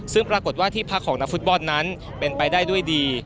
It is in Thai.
ซึ่มปรากฏว่าที่นักฟุตบอลเป็นไปได้ด้วยดี